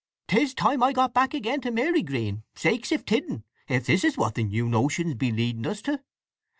'Tis time I got back again to Marygreen—sakes if tidden—if this is what the new notions be leading us to!